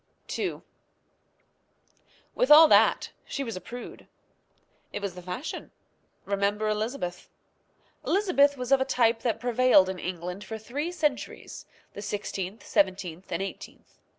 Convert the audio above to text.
II. With all that she was a prude. It was the fashion. Remember Elizabeth. Elizabeth was of a type that prevailed in England for three centuries the sixteenth, seventeenth, and eighteenth.